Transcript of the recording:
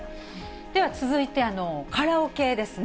では続いて、カラオケですね。